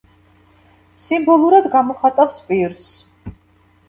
სიმბოლურად გამოხატავს პირს.